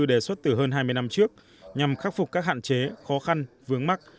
đề xuất từ hơn hai mươi năm trước nhằm khắc phục các hạn chế khó khăn vướng mắt